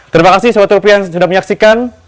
terima kasih sobat rupiah yang sudah menyaksikan